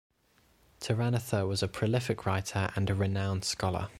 Taranatha was a prolific writer and a renowned scholar.